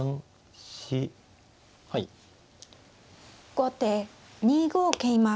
後手２五桂馬。